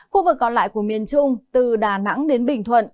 khu vực còn lại của miền trung từ đà nẵng đến bình thuận